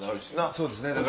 そうですね。